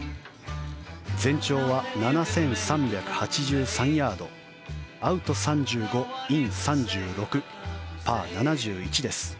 全長は７３８３ヤードアウト３５、イン３６パー７１です。